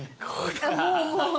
もうもう。